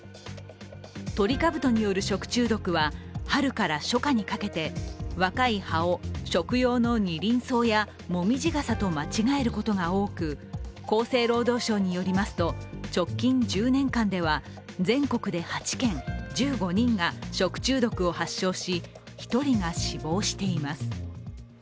トリカブトによる食中毒は春から初夏にかけて若い葉を食用のニリンソウやモミジガサと間違えることが多く厚生労働省によりますと直近１０年間では、全国で８件、１５人が食中毒を発症し１人が死亡しています。